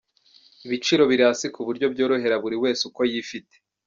Ibiciro biri hasi kuburyo byorohera buri wese uko yifite.